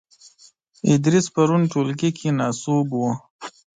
ادریس پرون ټولګې کې ناسوب وو .